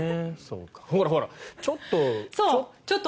ほらほら、ちょっと。